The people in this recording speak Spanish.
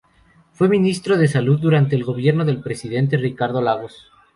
Fue ministro de Salud durante el gobierno del presidente Ricardo Lagos.